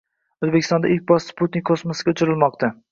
O'zbekistonda ilk bor sputnik kosmosga uchirilmoqda.